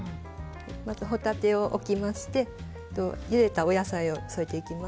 まず、ホタテを置きましてゆでたお野菜を添えていきます。